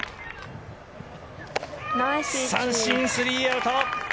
三振、スリーアウト！